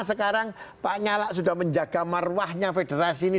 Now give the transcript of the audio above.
sekarang pak nyalak sudah menjaga marwahnya federasi ini